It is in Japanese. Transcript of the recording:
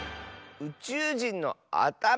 うちゅうじんのあたま！